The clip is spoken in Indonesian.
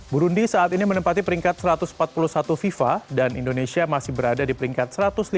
burundi saat ini menempati peringkat satu ratus empat puluh satu fifa dan indonesia masih berada di peringkat satu ratus lima puluh